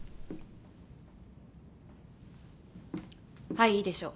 はいいいでしょう。